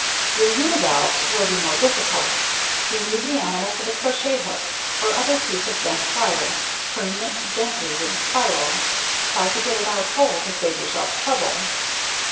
Your univalves will be more difficult; remove the animal with a crocket hook or other piece of bent wire, turning it gently with the spiral; try to get it out whole to save yourself trouble.